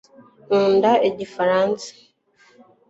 nkunda igifaransa